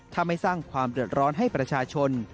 ถ้าไม่สร้างความเดือดร้อนให้ประชาชน